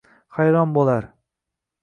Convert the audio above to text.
Hayron bo’lar